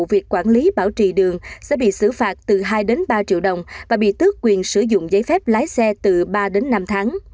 việc quản lý bảo trì đường sẽ bị xử phạt từ hai ba triệu đồng và bị tước quyền sử dụng giấy phép lái xe từ ba đến năm tháng